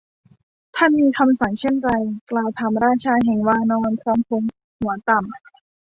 ท่านมีคำสั่งเช่นไร ? กล่าวถามราชาแห่งวานร พร้อมโค้งหัวต่ำ